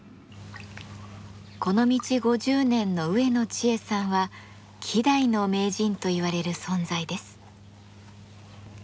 この道５０年の植野知恵さんは希代の名人といわれる存在です。